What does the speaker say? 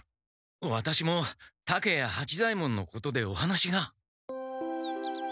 ワタシも竹谷八左ヱ門のことでお話が。